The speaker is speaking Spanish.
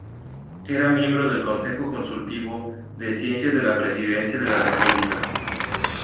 Era miembro del Consejo Consultivo de Ciencias de la Presidencia de la República.